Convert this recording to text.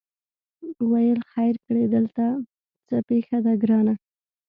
ویل خیر کړې درته څه پېښه ده ګرانه